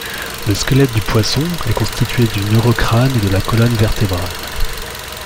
Le squelette du poisson est constitué du neurocrâne et de la colonne vertébrale.